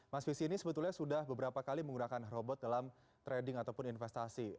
mas visi ini sebetulnya sudah beberapa kali menggunakan robot dalam trading ataupun investasi